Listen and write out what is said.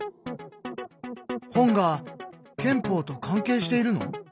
本が憲法と関係しているの？